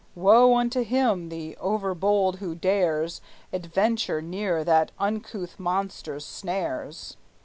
Woe unto him, the over bold, who dares Adventure near that uncouth monster's snares!"